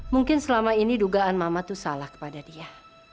mungkin selama ini dugaan mama itu salah kepada dia